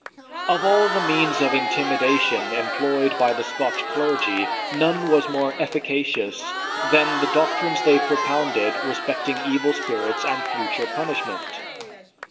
"Of all the means of intimidation employed by the Scotch clergy none was more efficacious than the doctrines they propounded respecting evil spirits and future punishment.